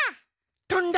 とんだ！